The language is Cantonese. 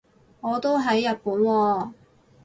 我都喺日本喎